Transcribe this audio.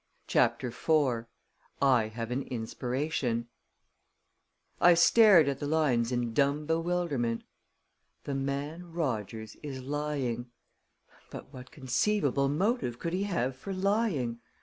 CHAPTER IV I Have an Inspiration I stared at the lines in dumb bewilderment. "The man Rogers is lying." But what conceivable motive could he have for lying?